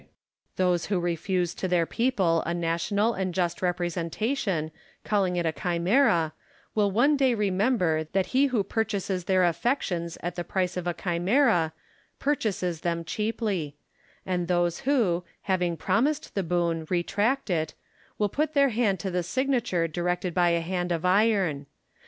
Those who refuse to their people a national and just representation, calling it a chimera, will one day remember that he who purchases their affections at the price of a chimera, purchases them cheaply ; and those who, having promised the boon, retract it, will put their hand to the signature directed by a hand of iron.